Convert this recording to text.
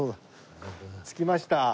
着きました。